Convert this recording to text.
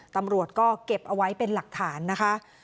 ตำรวจก็เก็บเอาไว้เป็นหลักฐานนะคะ